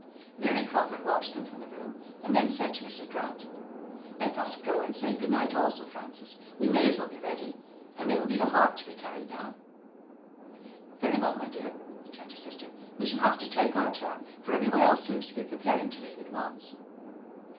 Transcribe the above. Mary Crawford watched them from the room, and then said to Mrs. Grant: "Let us go and say good night also, Frances. We may as well be ready and there will be the harp to be carried down." "Very well, my dear," returned her sister. "We shall have to take our turn, for everyone else seems to be preparing to leave at once."